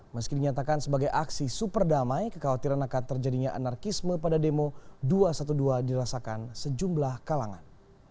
meski dinyatakan sebagai aksi superdamai kekhawatiran akan terjadinya anarkisme pada demo dua ratus dua belas dirasakan sejumlah kalangan